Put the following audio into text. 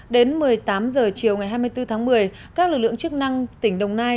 đến một mươi tám h chiều ngày hai mươi bốn tháng một mươi các lực lượng chức năng tỉnh đồng nai